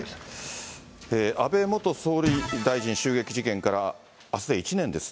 安倍元総理大臣襲撃事件から、あすで１年です。